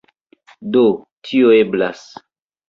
Do, tio eblas.